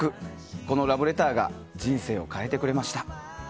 このラブレターが人生を変えてくれました。